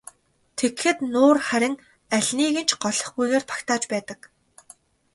Тэгэхэд нуур харин алиныг нь ч голохгүйгээр багтааж байдаг.